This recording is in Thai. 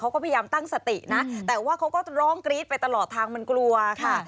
เขาก็พยายามตั้งสตินะแต่ว่าเขาก็ร้องกรี๊ดไปตลอดทางมันกลัวค่ะ